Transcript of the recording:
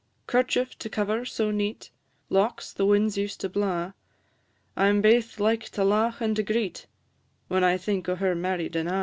Kerchief to cover so neat, Locks the winds used to blaw; I 'm baith like to laugh and to greet, When I think o' her married at a'."